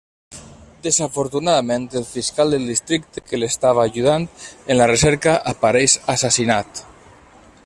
Desafortunadament el fiscal del districte que l'estava ajudant en la recerca apareix assassinat.